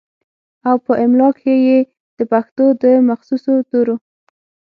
او پۀ املا کښې ئې دَپښتو دَمخصوصو تورو